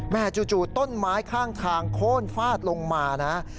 แม่จู่ต้นไม้ข้างโค้นฟาดลงมานะฮะ